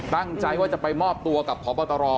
ตั้งใจว่าจะไปมอบตัวกับพบตร